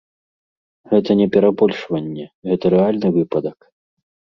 Гэта не перабольшванне, гэта рэальны выпадак.